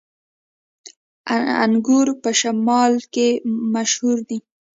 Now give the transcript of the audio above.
انګور په شمالی کې مشهور دي